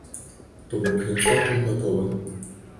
То бок ён цалкам гатовы!